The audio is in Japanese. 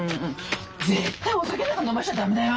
絶対お酒なんか飲ましちゃ駄目だよ。